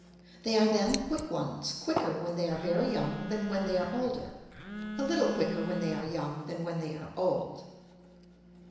They are then quick ones, quicker when they are very young than when they are older, a little quicker when they are young than when they are old.